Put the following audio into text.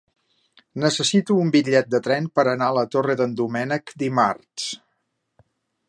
Necessito un bitllet de tren per anar a la Torre d'en Doménec dimarts.